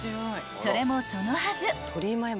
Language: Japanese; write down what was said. ［それもそのはず］